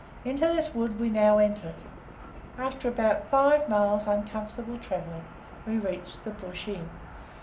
Into this wood we now entered. After about five miles uncomfortable travelling we reached the "Bush Inn."